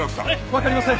わかりません。